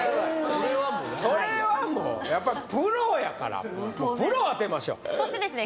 それはやばいそれはもうやっぱプロやからプロを当てましょうそしてですね